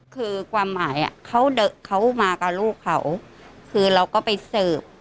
คือความหมายเขามากับลูกเขาคือเราก็ไปสืบ